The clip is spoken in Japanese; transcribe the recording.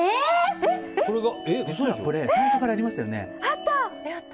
実はこれ最初からありましたよね？